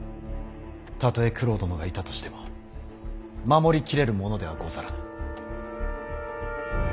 たとえ九郎殿がいたとしても守り切れるものではござらぬ。